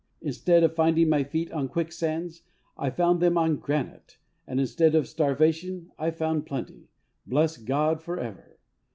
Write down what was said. Instead of finding my feet on quicksands, I found them on granite, and instead of starvation, I found plenty. Bless God for ever